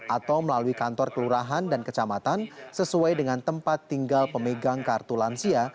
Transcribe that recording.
atau melalui kantor kelurahan dan kecamatan sesuai dengan tempat tinggal pemegang kartu lansia